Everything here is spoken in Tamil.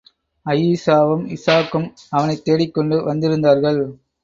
அயீஷாவும் இஷாக்கும் அவனைத் தேடிக்கொண்டு வந்திருந்தார்கள்.